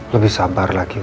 lebih sabar lagi untuk